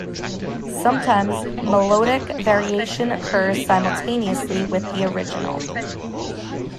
Sometimes melodic variation occurs simultaneously with the original.